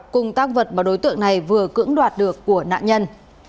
cùng tác vật mà đối tượng này vừa cưỡng đoạt được của nạn nhân